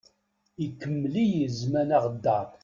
Ikemmel-iyi zman aɣeddaṛ.